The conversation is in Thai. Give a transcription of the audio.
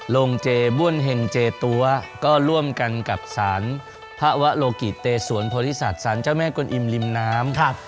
โรงเจบ้วนเห็งเจตัวก็ร่วมกันกับสารพระวะโลกิเตสวนพฤษัตริย์สารเจ้าแม่กลอิมริมน้ำ